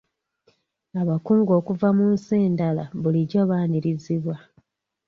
Abakungu okuva mu nsi endala bulijjo baanirizibwa.